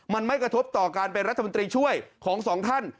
มันไม่กระทบต่อการเป็นรัฐมนตรีช่วยของสองท่าน